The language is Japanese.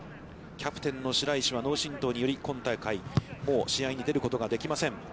キャプテンの白石は脳震とうにより今大会もう試合に出ることはできません。